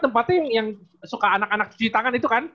tempatnya yang suka anak anak cuci tangan itu kan